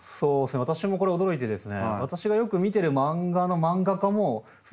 私もこれ驚いてですね。